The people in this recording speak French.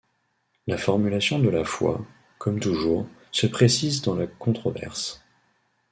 La formulation de la foi, comme toujours, se précise dans la controverse.